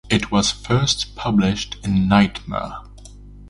It was first published in "Nightmare".